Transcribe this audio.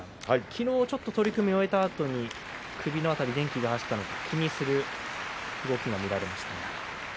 昨日はちょっと取組を終えたあとに首の辺り、電気が走ったのか気にする動きが見られました。